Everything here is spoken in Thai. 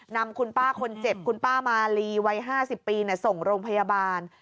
นำคุณป้าคนเจ็บคุณป้ามาลีวัย๕๐ปีส่งโรงพยาบาล